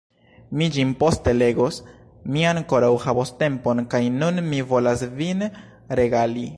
Mi ĝin poste legos, mi ankoraŭ havos tempon, kaj nun mi volas vin regali.